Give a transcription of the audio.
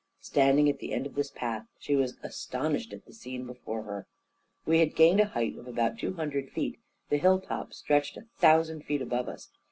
Standing at the end of this path, she was astonished at the scene before her. We had gained a height of about two hundred feet, the hill top stretched a thousand feet above us.